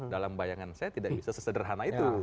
dalam bayangan saya tidak bisa sesederhana itu